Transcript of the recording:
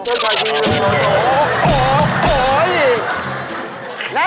ทีลนจายโดโนซอลโอ้โฮอีก